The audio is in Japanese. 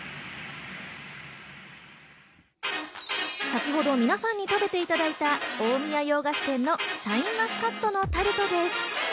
先ほど皆さんに食べていただいた近江屋洋菓子店のシャインマスカットのタルトです。